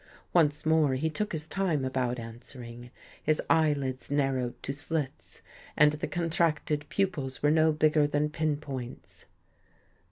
Once more he took his time about answering. His eyelids narrowed to slits and the contracted pupils were no bigger than pin points.